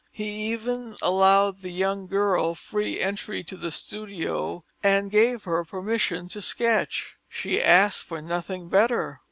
He even allowed the young girl free entry to the studio and gave her permission to sketch. She asked for nothing better.